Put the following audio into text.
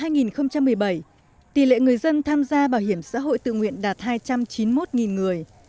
năm hai nghìn một mươi bảy tỷ lệ người dân tham gia bảo hiểm xã hội tự nguyện đạt hai trăm chín mươi một người